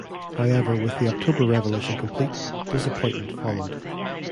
However, with the October Revolution complete, disappointment followed.